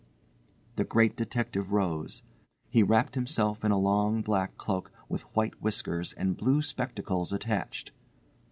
The Great Detective rose. He wrapped himself in a long black cloak with white whiskers and blue spectacles attached.